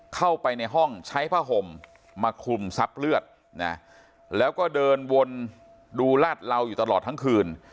เข้าไปในห้องใช้ผ้าห่มมาคลุมซับเลือดนะแล้วก็เดินวนดูลาดเหลาอยู่ตลอดทั้งคืน